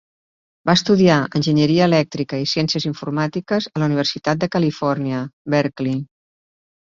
Va estudiar enginyeria elèctrica i ciències informàtiques a la Universitat de Califòrnia, Berkeley.